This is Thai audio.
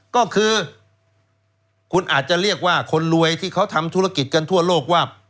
ก็คือคุณอาจจะเรียกว่าคนรวยที่เขาทำธุรกิจกันทั่วโลกว่า